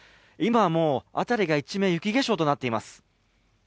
今もう辺りが一面雪化粧となっています。